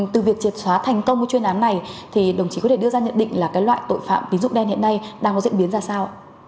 từ việc triệt xóa thành công chuyên án này thì đồng chí có thể đưa ra nhận định là loại tội phạm tín dụng đen hiện nay đang có diễn biến ra sao